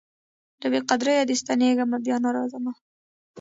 له بې قدریه دي ستنېږمه بیا نه راځمه